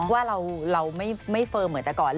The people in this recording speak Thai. ว่าเราไม่เฟิร์มเหมือนแต่ก่อน